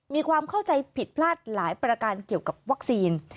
มีความเข้าใจผิดพลาดหลายประการเกี่ยวกับวัคซีน